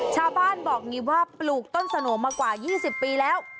ชาวบ้านบอกว่าปลูกต้นสโหนมากว่า๒๐ปีแล้ว